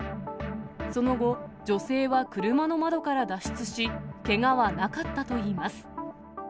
その後、女性は車の窓から脱出し、けがはなかったといいます。